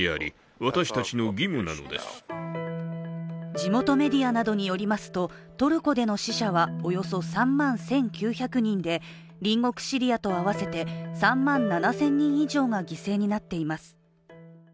地元メディアなどによりますとトルコでの死者はおよそ３万１９００人で、隣国シリアと合わせて３万７０００人以上が犠牲になっています。